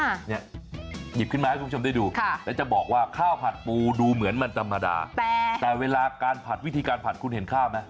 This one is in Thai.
หยิบขึ้นมาให้คุณผู้ชมได้ดูค่ะแล้วจะบอกว่าข้าวผัดปูดูเหมือนมันธรรมดาแต่แต่เวลาการผัดวิธีการผัดคุณเห็นข้าวไหม